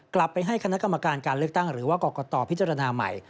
กลับไปให้คณะกรรมการการเลือกตั้งหรือว่ากรกตพิจารณาใหม่